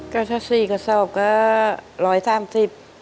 ก็ถ้าสี่กระทรอบก็๑๓๐บาท